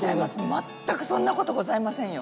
全くそんなことございませんよ。